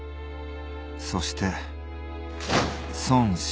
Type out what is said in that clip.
そして孫秀